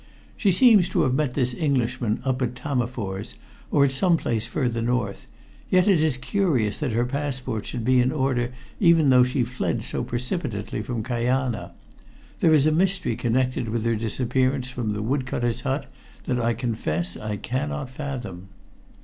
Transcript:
"She seems to have met this Englishman up at Tammerfors, or at some place further north, yet it is curious that her passport should be in order even though she fled so precipitately from Kajana. There is a mystery connected with her disappearance from the wood cutter's hut that I confess I cannot fathom."